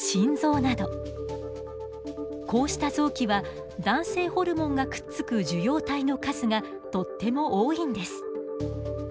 こうした臓器は男性ホルモンがくっつく受容体の数がとっても多いんです。